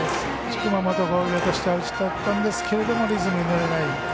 熊本工業としては打ち取ったんですけどリズムに乗れない。